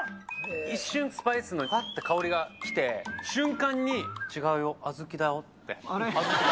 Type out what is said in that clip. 一瞬、スパイスの、ぱって香りが来て、瞬間に、違うよ、あずきだよって。